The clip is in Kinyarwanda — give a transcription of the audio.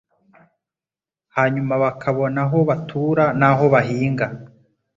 hanyuma bakabona aho batura n'aho bahinga.